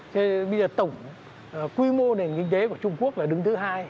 thế bây giờ tổng quy mô nền kinh tế của trung quốc là đứng thứ hai